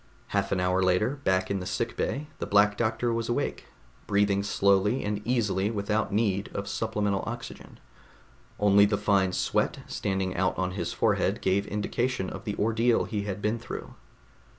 Half an hour later, back in the sickbay, the Black Doctor was awake, breathing slowly and easily without need of supplemental oxygen. Only the fine sweat standing out on his forehead gave indication of the ordeal he had been through.